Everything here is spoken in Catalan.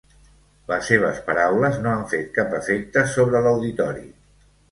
Les seves paraules no han fet cap efecte sobre l'auditori.